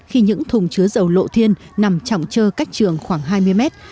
khi những thùng chứa dầu lộ thiên nằm trọng trơ cách trường khoảng hai mươi mét